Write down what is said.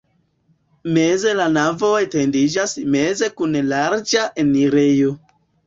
Meze la navo etendiĝas meze kun larĝa enirejo.